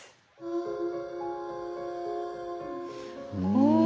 うん！